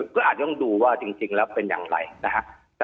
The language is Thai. ก็อาจต้องดูว่าจริงแล้วเป็นอย่างไรนะฮะ